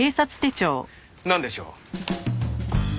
なんでしょう？